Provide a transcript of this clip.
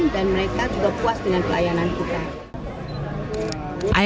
dan mereka sudah puas dengan pelayanan kita